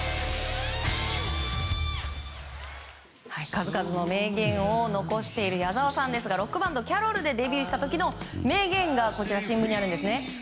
数々の名言を残している矢沢さんですがロックバンドキャロルでデビューした時の名言が新聞にあります。